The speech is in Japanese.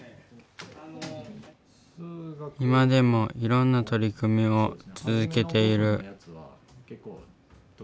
今でもいろんな取り組みを続けている。